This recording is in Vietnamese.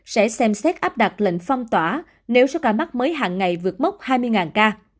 sẽ xem xét áp đặt lệnh phong tỏa nếu số ca mắc mới hàng ngày vượt mốc hai mươi ca